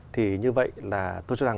thì như vậy là tôi cho rằng